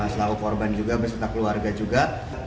selaku korban juga bersama keluarga juga